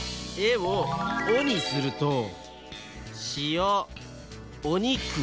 「え」を「お」にすると。